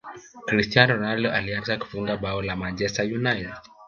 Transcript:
cristiano ronaldo alianza kufunga bao la manchester unite